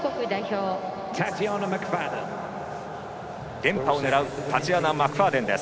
連覇を狙うタチアナ・マクファーデン。